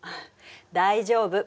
大丈夫。